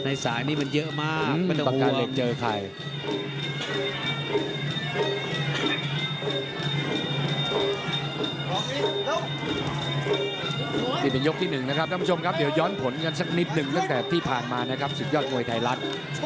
ครั้งนี้เป็นยกที่หนึ่งเนี่ยเดี๋ยวย้อนผลกันสักนิดนึงตั้งแต่ที่ผ่านมานะครับ